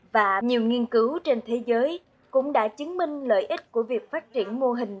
và nhiều nghiên cứu trên thế giới cũng đã chứng minh lợi ích của việc phát triển mô hình